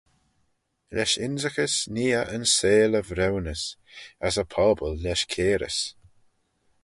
Lesh ynrickys nee eh yn seihll y vriwnys: as y pobble lesh cairys.